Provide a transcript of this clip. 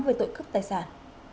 với tội cướp tài sản